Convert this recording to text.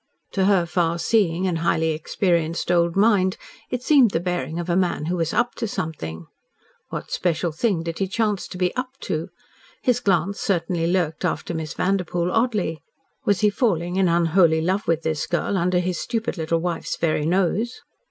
To her far seeing and highly experienced old mind it seemed the bearing of a man who was "up to something." What special thing did he chance to be "up to"? His glance certainly lurked after Miss Vanderpoel oddly. Was he falling in unholy love with the girl, under his stupid little wife's very nose?